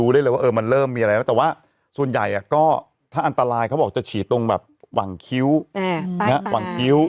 แต่ว่าส่วนใหญ่ก็ถ้าอันตรายเขาบอกจะฉีดคำแบบหวั่งคิ้ว